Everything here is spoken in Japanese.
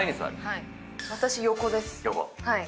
私横です。